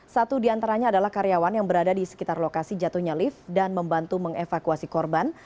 satu diantaranya adalah karyawan yang berada di sekitar lokasi jatuhnya lift dan membantu mengevakuasi korban